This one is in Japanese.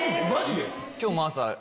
今日も朝。